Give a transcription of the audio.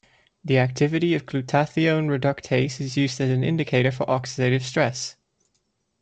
The activity of glutathione reductase is used as indicator for oxidative stress.